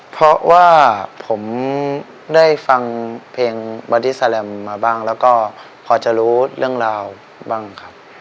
เพราะว่าผมได้ฟังเพลงบอดี้แลมมาบ้างแล้วก็พอจะรู้เรื่องราวบ้างครับ